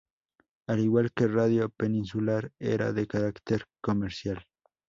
Al igual que Radio Peninsular era de carácter comercial.